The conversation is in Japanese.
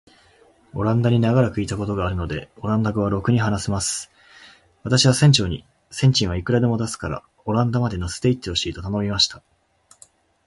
オランダに長らくいたことがあるので、オランダ語はらくに話せます。私は船長に、船賃はいくらでも出すから、オランダまで乗せて行ってほしいと頼みました。